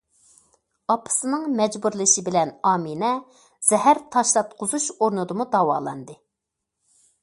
ئاپىسىنىڭ مەجبۇرلىشى بىلەن ئامىنە زەھەر تاشلاتقۇزۇش ئورنىدىمۇ داۋالاندى.